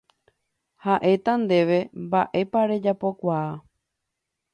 Ha'éta ndéve mba'épa rejapokuaa.